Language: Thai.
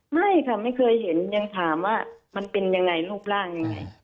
ไม่ค่ะไม่เคยเห็นยังถามว่ามันเป็นยังไงรูปร่างยังไง